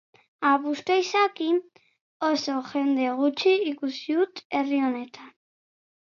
Abuztua izaki, oso jende gutxi ikusi dut herri honetan.